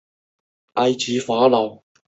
蒙唐贝尔人口变化图示